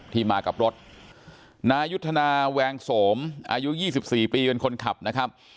ที่มากับรถนายุธนาแวงสมอายุยี่สิบสี่ปีเป็นคนขับนะครับ